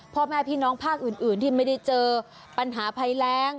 พ่อแม่พี่น้องภาคอื่นที่ไม่ได้เจอปัญหาภัยแรง